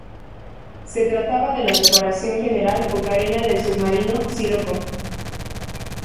Se trataba de la reparación general o carena del submarino "Siroco".